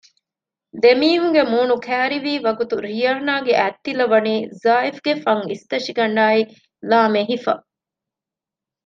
ދެމީހުންގެ މޫނު ކައިރިވީވަގުތު ރިޔާނާގެ އަތްތިލަވަނީ ޒާއިފްގެ ފަންއިސްތަށިގަނޑާއި ލާމެހިފަ